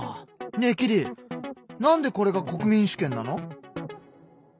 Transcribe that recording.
ねえキリなんでこれが国民主権なの？